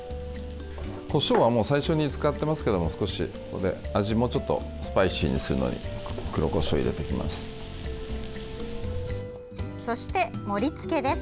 こしょうはもう最初に使ってますけども少し、味もちょっとスパイシーにするのに黒こしょうを入れていきます。